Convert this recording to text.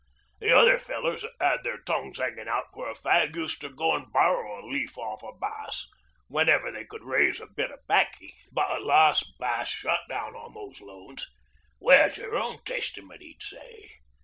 The other fellers that 'ad their tongues 'anging out for a fag uster go'n borrow a leaf off o' Bass whenever they could raise a bit o' baccy, but at last Bass shut down on these loans. "Where's your own Testament?" he'd say.